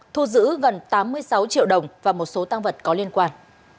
thu giữ gần tám mươi sáu triệu đồng và một số tăng vật có liên quan